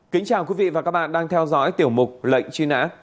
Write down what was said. kính chào quý vị và các bạn đang theo dõi tiểu mục lệnh truy nã